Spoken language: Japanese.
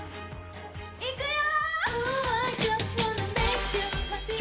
いくよ！！